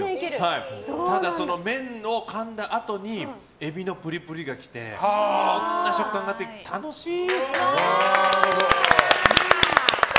ただ、麺をかんだあとにエビのプリプリがきていろんな食感があって楽しい！